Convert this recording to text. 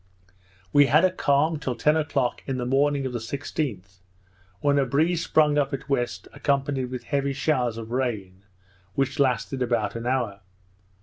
We had a calm till ten o'clock in the morning of the 16th, when a breeze sprung up at west, accompanied with heavy showers of rain, which lasted about an hour.